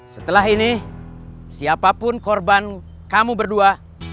setelah ini siapapun korban kamu berdua